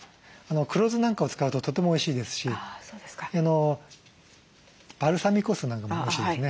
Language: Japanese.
黒酢なんかを使うととてもおいしいですしバルサミコ酢なんかもおいしいですね。